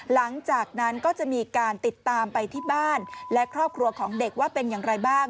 หลังจากนั้นก็จะมีการติดตามไปที่บ้านและครอบครัวของเด็กว่าเป็นอย่างไรบ้าง